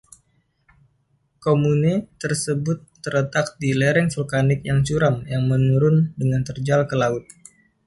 Komune tersebut terletak di lereng vulkanik yang curam yang menurun dengan terjal ke laut.